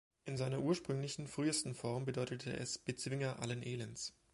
In seiner ursprünglichen, frühesten Form bedeutete es "Bezwinger allen Elends".